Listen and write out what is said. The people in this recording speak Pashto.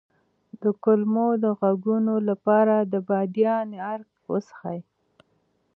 د کولمو د غږونو لپاره د بادیان عرق وڅښئ